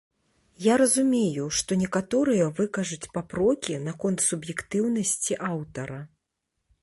Я разумею, што некаторыя выкажуць папрокі наконт суб'ектыўнасці аўтара.